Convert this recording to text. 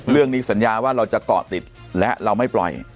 เรื่องนี้สัญญาว่าเราจะต่อติดและเราไม่ปล่อย